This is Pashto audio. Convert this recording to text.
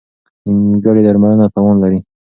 نیمګړې درملنه تاوان لري.